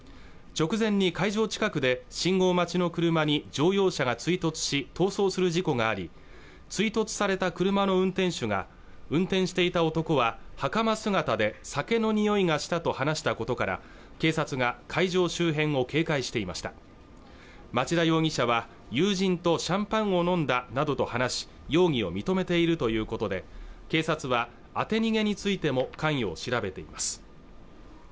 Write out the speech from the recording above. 直前に会場近くで信号待ちの車に乗用車が追突し逃走する事故があり追突された車の運転手が運転していた男は袴姿で酒のにおいがしたと話したことから警察が会場周辺を警戒していました町田容疑者は友人とシャンパンを飲んだなどと話し容疑を認めているということで警察は当て逃げについても関与を調べています